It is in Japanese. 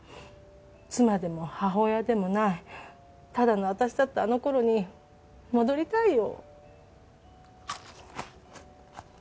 妻でも母親でもないただの私だったあのころに戻りたいよ。